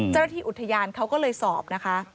เจ้าหน้าที่อุทยานเขาก็เลยสอบนะคะ